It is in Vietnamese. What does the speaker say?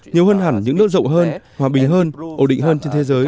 nhiều hơn hẳn những nước rộng hơn hòa bình hơn ổn định hơn trên thế giới